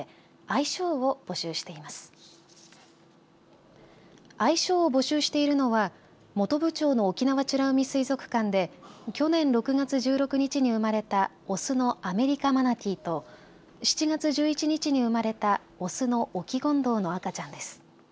愛称を募集しているのは本部町の沖縄美ら海水族館で去年６月１６日に生まれたオスのアメリカマナティーと７月１１日に生まれたオスのオキゴンドウの赤ちゃんです。